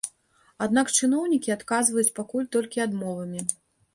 Аднак чыноўнікі адказваюць пакуль толькі адмовамі.